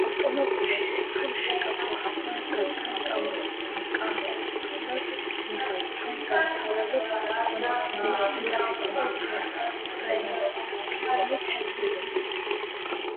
ავტომობილში სიცხემ შეგაწუხათ და გიდნათ კომფორტულად იმგზავროთ? ჩვენ გთავაზობთ კონდიციონერის შეკეთებასა და ფრეონით შევსებას